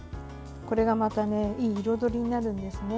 これがまたいい彩りになるんですね。